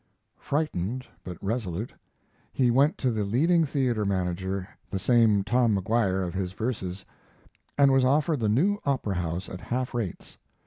Frightened but resolute, he went to the leading theater manager the same Tom Maguire of his verses and was offered the new opera house at half rates.